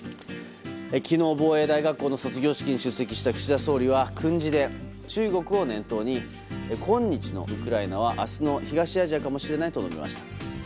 昨日、防衛大学校の卒業式に出席した岸田総理は訓示で、中国を念頭に今日のウクライナは明日の東アジアかもしれないと述べました。